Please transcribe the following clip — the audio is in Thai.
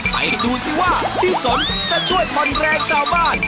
ไปดูซิว่าพี่สนจะช่วยผ่อนแรงชาวบ้าน